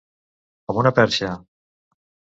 Com una perxa.